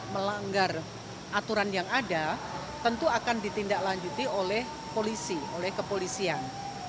melanggar aturan yang ada tentu akan ditindaklanjuti oleh polisi oleh kepolisian